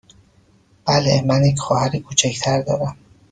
بله، من یک خواهر کوچک تر دارم.